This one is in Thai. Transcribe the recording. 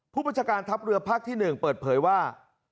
ผู้ประชาการทัพเรือภาคที่หนึ่งเปิดเผยว่า